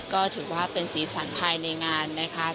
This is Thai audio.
ก็ถือว่าเป็นสีสันภายในงานนะคะ